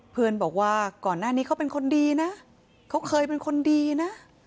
เพื่อนบอกว่าก่อนหน้านี้เขาเป็นคนดีนะเขาเคยเป็นคนดีนะ